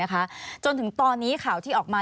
มีความรู้สึกว่ามีความรู้สึกว่า